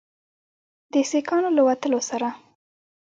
د سیکانو له وتلو سره